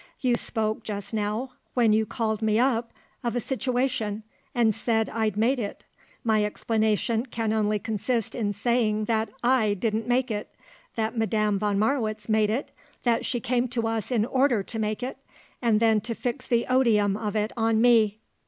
"You spoke, just now, when you called me up, of a situation and said I'd made it. My explanation can only consist in saying that I didn't make it; that Madame von Marwitz made it; that she came to us in order to make it and then to fix the odium of it on me."